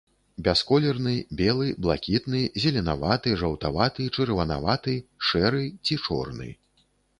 Бясколерны, белы, блакітны, зеленаваты, жаўтаваты, чырванаваты, шэры ці чорны.